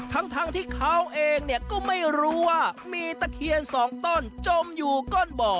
ทั้งที่เขาเองเนี่ยก็ไม่รู้ว่ามีตะเคียนสองต้นจมอยู่ก้นบ่อ